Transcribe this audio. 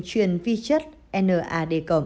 truyền vi chất nad